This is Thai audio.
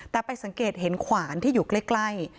แต่ไปสังเกตเห็นขวานที่อยู่ใกล้